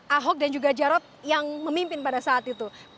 ahok dan juga jarod yang memimpin pada saat itu